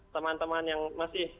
teman teman yang masih